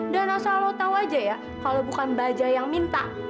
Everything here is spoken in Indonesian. dan asal lo tahu aja ya kalau bukan bajaj yang minta